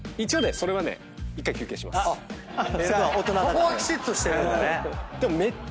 そこはきちっとしてるんだね。